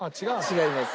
違います。